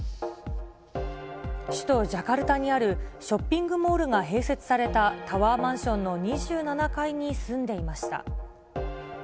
首都ジャカルタにあるショッピングモールが併設されたタワーマンションの２７階に住んでいました。